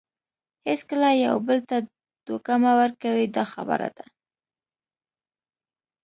هیڅکله یو بل ته دوکه مه ورکوئ دا خبره ده.